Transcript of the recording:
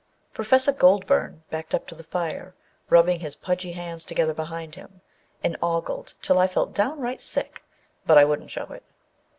Professor Goldburn backed up to the fire, rubbed his pudgy hands together behind him, and ogled till I felt downright sick, but I wouldn't show it.